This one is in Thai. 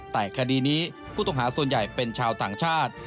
แต่คดีนี้ผู้ต้องหาส่วนใหญ่เป็นชาวต่างชาติ